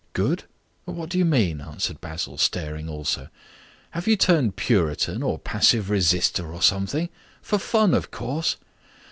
"Good? What do you mean?" answered Basil, staring also. "Have you turned Puritan or Passive Resister, or something? For fun, of course."